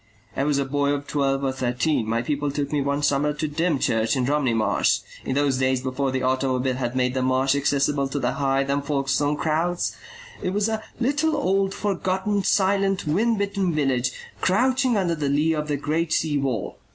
I was a boy of twelve or thirteen. My people took me one summer to Dymchurch in Romney Marsh; in those days before the automobile had made the Marsh accessible to the Hythe and Folkestone crowds, it was a little old forgotten silent wind bitten village crouching under the lee of the great sea wall.